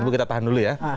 kita tahan dulu ya